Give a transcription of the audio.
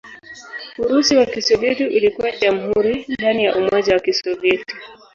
Urusi wa Kisovyeti ulikuwa jamhuri ndani ya Umoja wa Kisovyeti.